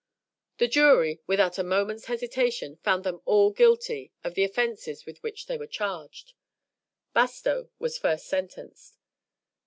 The jury, without a moment's hesitation, found them all guilty of the offenses with which they were charged. Bastow was first sentenced.